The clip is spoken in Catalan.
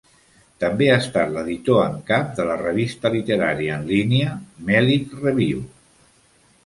També ha estat l'editor en cap de la revista literària en línia 'Melic Review'.